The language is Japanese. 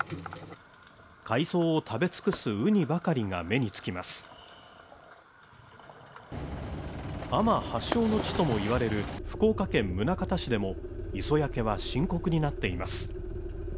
海藻を食べ尽くすウニばかりが目につきます海女発祥の地ともいわれる福岡県宗像市でも磯焼けは深刻になっています